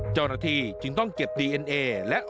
เจ้าหน้าที่จึงต้องเก็บดีเอ็นเอและ